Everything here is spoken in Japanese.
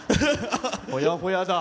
ほやほやだ。